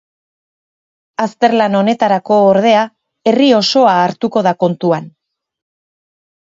Azterlan honetarako, ordea, herri osoa hartuko da kontuan.